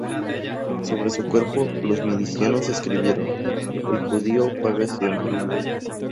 Sobre su cuerpo, los milicianos escribieron: "El judío paga siempre".